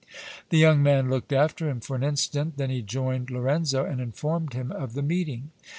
The young man looked after him for an instant; then he joined Lorenzo and informed him of the meeting.